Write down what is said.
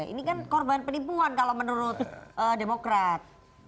ini kan korban penipuan kalau menurut demokrat